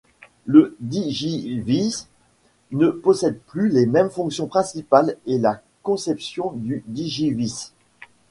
Le digivice ne possède plus les mêmes fonctions principales et la conception du digivice.